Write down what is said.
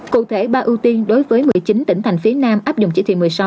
cụ thể ba ưu tiên đối với một mươi chín tỉnh thành phía nam áp dụng chỉ thị một mươi sáu